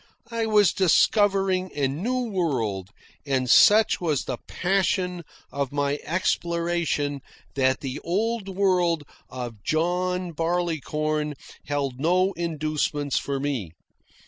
I was discovering a new world, and such was the passion of my exploration that the old world of John Barleycorn held no inducements for me.